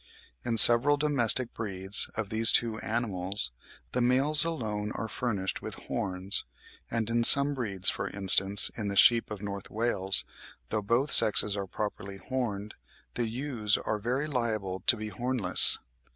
In several domestic breeds of these two animals, the males alone are furnished with horns; and in some breeds, for instance, in the sheep of North Wales, though both sexes are properly horned, the ewes are very liable to be hornless.